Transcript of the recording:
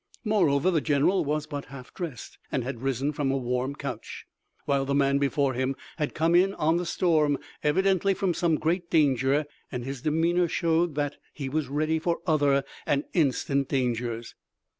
Moreover, the general was but half dressed and had risen from a warm couch, while the man before him had come in on the storm, evidently from some great danger, and his demeanor showed that he was ready for other and instant dangers.